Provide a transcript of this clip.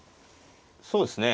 そうですね。